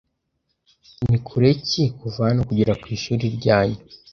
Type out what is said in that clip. Ni kure ki kuva hano kugera ku ishuri ryanyu